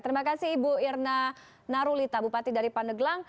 terima kasih bu irna narulita bupati dari paneglang